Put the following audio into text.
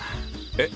えっ？